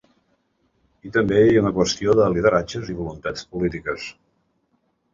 I també hi ha una qüestió de lideratges i voluntats polítiques.